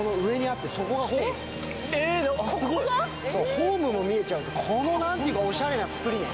ホームも見えちゃう、このなんていうかおしゃれなつくりね。